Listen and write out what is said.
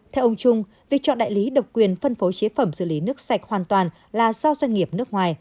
theo ông trung việc chọn đại lý độc quyền phân phối chế phẩm xử lý nước sạch hoàn toàn là do doanh nghiệp nước ngoài